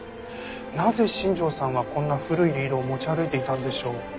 なぜ新庄さんはこんな古いリードを持ち歩いていたんでしょう？